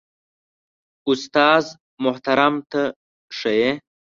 استاد محترم ته ښه يې؟